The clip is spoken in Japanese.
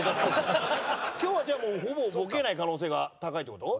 今日はじゃあもうほぼボケない可能性が高いって事？